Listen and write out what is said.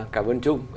cảm ơn trung